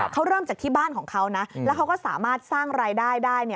เขาเริ่มจากที่บ้านของเขานะแล้วเขาก็สามารถสร้างรายได้ได้